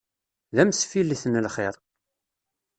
D amsifillet n lxir.